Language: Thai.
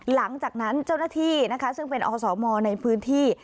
หลังจากนั้นเจ้าหน้าที่นะคะซึ่งเป็นอสมในพื้นที่